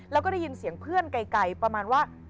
แล้วก็ได้ยินเสียงเพื่อนไกลประมาณว่า